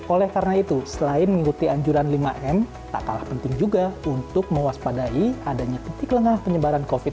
oleh karena itu selain mengikuti anjuran lima m tak kalah penting juga untuk mewaspadai adanya titik lengah penyebaran covid sembilan belas